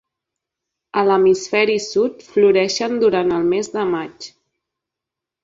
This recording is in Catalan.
A l'hemisferi sud floreixen durant el mes de maig.